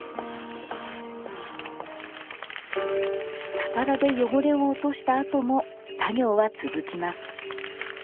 ササラで汚れを落としたあとも作業は続きます。